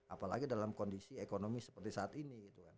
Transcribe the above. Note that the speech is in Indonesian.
apalagi dalam kondisi ekonomi seperti saat ini